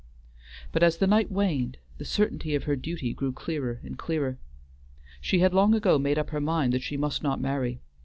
But as the night waned, the certainty of her duty grew clearer and clearer. She had long ago made up her mind that she must not marry.